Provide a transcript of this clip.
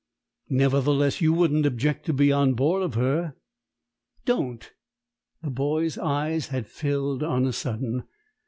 "Nevertheless, you wouldn't object to be on board of her?" "Don't!" The boy's eyes had filled on a sudden.